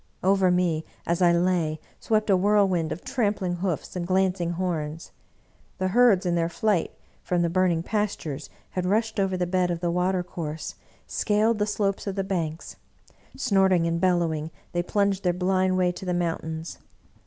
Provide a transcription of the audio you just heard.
Over me, as I lay, swept a whirl wind of trampling hoofs and glancing horns. The herds, in their flight from the burning pastures, had rushed over the bed of the water course, scaled the slopes of the banks. Snorting and bellowing, they plunged their blind way to the mountains.